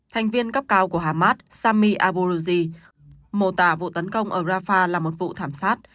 thành viên cấp cao của hamas sami abulugi mô tả vụ tấn công ở rafah là một vụ thảm sát